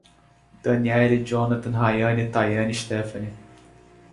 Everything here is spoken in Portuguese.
Danieli, Jhonatan, Rayane, Taiane e Stefani